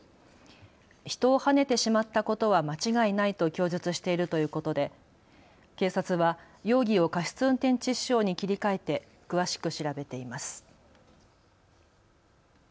人をはねてしまったことは間違いないと供述しているということで警察は容疑を過失運転致死傷に切り替えて詳しく調べています。